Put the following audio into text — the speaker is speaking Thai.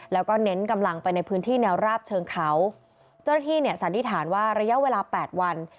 แล้วก็เน้นกำลังไปในพื้นที่แนวราบเชิงเขาเจ้าหน้าที่เนี่ยสันนิษฐานว่าระยะเวลาแปดวัน